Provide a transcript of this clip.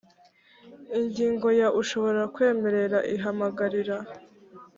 ingingo ya ushobora kwemera ihamagarira